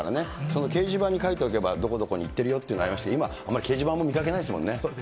その掲示板に書いておけば、どこどこに行ってるよってありましたけど、今、あまり掲示板も見そうですね。